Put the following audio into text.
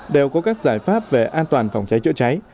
đều có các giải pháp về an toàn phòng cháy chữa cháy